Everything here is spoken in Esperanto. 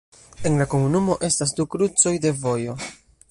En la komunumo estas du krucoj de vojo.